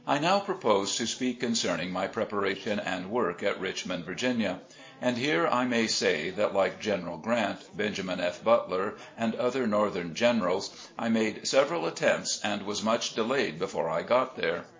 NOW propose to speak concerning my prep aration and work at Richmond, Virginia. And here I may say, that like General Grant, Benj. F Butler, and other Northern gen erals, I made several attempts and was much delayed before I got there.